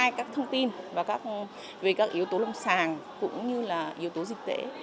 hai các thông tin về các yếu tố lông sàng cũng như là yếu tố dịch tễ